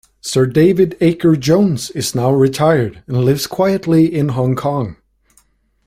Sir David Akers-Jones is now retired and lives quietly in Hong Kong.